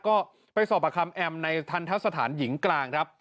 ก็ไปสอบประคำแอมในทันทะสถานหญิงกลางครับ